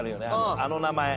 あの名前。